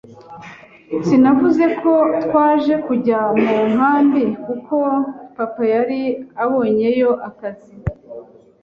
Sinavuze ko twaje kujya mu nkambi, kuko papa yari abonyeyo akazi,